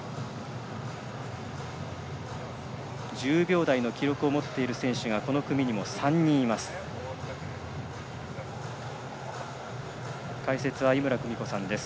１０秒台の記録を持っている選手がこの組にも３人います。